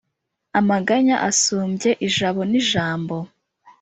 amaganya asumbye ijabo n’ijambo !